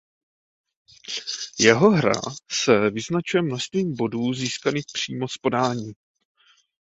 Jeho hra se vyznačuje množstvím bodů získaných přímo z podání.